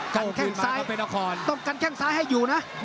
กางแข้งซ้ายต้องการแข้งซ้ายให้อยู่นะ